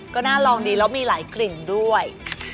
ก็น่าลองดีแล้วมีหลายกลิ่นด้วย